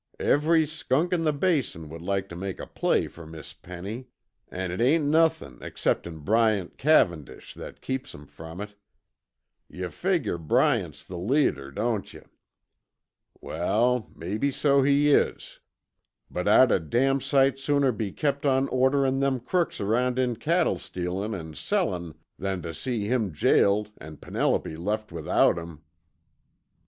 Every skunk in the Basin would like to make a play fer Miss Penny, an' it ain't nothin' exceptin' Bryant Cavendish that keeps 'em from it. Yuh figger Bryant's the leader, don't yuh? Wal, maybe so he is. But I'd a damn sight sooner he kept on orderin' them crooks around in cattle stealin' an' sellin' than tuh see him jailed an' Penelope left without him."